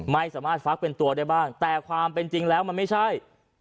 ไม่สามารถฟักเป็นตัวได้บ้างแต่ความเป็นจริงแล้วมันไม่ใช่